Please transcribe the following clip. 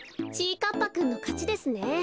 かっぱくんのかちですね。